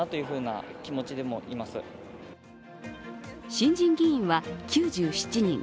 新人議員は９７人。